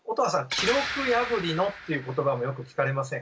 記録破りのっていう言葉もよく聞かれません？